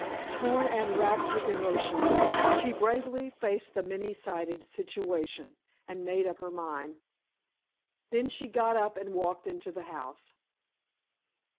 Torn and wracked with emotions, she bravely faced the many sided situation, and made up her mind. Then she got up and walked into the house.